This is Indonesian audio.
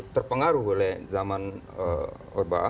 terpengaruh oleh zaman orba